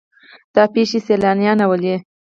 دا پیښې سیلانیان راوړي.